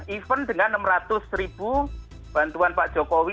even dengan rp enam ratus bantuan pak jokowi